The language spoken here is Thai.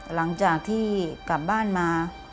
หลังจากที่กลับบ้านมา